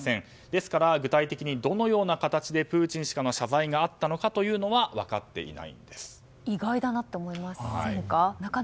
ですから、具体的にどのような形でプーチン氏からの謝罪があったのかは意外だなと思いませんか？